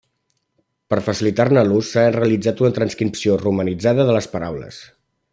Per facilitar-ne l'ús s'ha realitzat una transcripció romanitzada de les paraules.